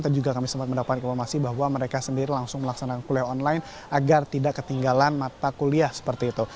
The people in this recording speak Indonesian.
dan juga kami sempat mendapatkan informasi bahwa mereka sendiri langsung melaksanakan kuliah online agar tidak ketinggalan mata kuliah seperti itu